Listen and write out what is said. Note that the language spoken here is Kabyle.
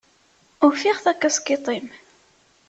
Ufiɣ takaskiṭ-im.